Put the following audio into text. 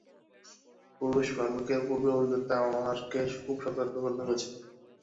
পুরুষ ভালুকের পূর্ব অভিজ্ঞতা আমাকে খুব সতর্ক করে তুলেছে।